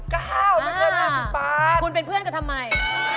คุณเป็นเพื่อนกับทำไม